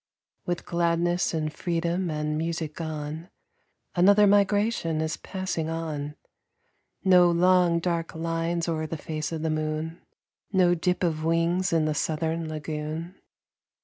With gladness and freedom and music gone, Another migration is passing on. No long, dark lines o'er the face of the moon; No dip of wings in the southern lagoon.